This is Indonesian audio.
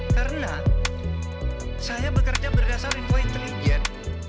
karena saya bekerja berdasar info intelijen